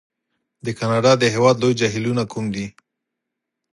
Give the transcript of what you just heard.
د کانادا د هېواد لوی جهیلونه کوم دي؟